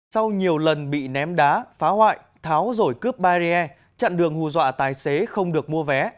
sau nhiều lần bị ném đá phá hoại tháo rồi cướp barrier chặn đường hù dọa tài xế không được mua vé